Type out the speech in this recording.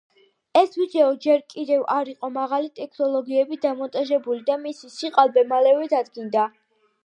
ეს ვიდეო ჯერ კიდევ არ იყო მაღალი ტექნოლოგიებით დამონტაჟებული და მისი სიყალბე მალევე დადგინდა.